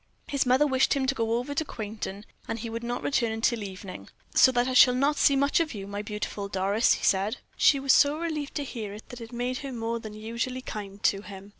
His mother wished him to go over to Quainton, and he would not return till evening. "So that I shall not see much of you, my beautiful Doris," he said. She was so relieved to hear it that it made her more than usually kind to him.